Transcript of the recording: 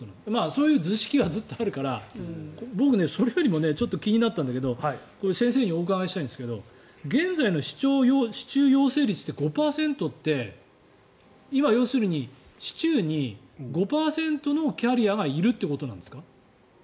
そういう図式がずっとあるから僕はそれよりもちょっと気になったんだけど先生にお伺いしたいんですけど現在の市中陽性率って５％って今、要するに市中に５％のキャリアがいるということなんですか？